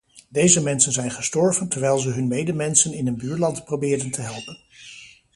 Deze mensen zijn gestorven terwijl ze hun medemensen in een buurland probeerden te helpen.